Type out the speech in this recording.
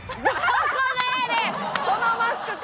そのマスクか！